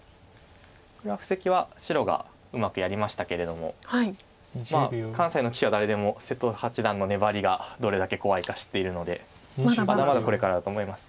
これは布石は白がうまくやりましたけれどもまあ関西の棋士は誰でも瀬戸八段の粘りがどれだけ怖いか知っているのでまだまだこれからだと思います。